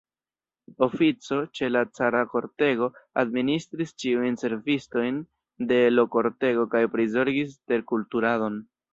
Ofico, ĉe la cara kortego, administris ĉiujn servistojn de l' kortego kaj prizorgis terkulturadon.